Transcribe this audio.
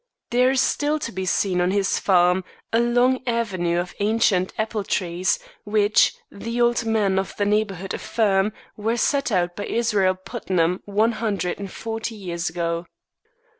There is still to be seen on his farm a long avenue of ancient apple trees, which, the old men of the neighborhood affirm, were set out by Israel Putnam one hundred and forty years ago.